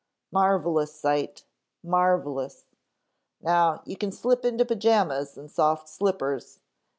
"Marvelous sight, marvelous. Now you can slip into pajamas and soft slippers.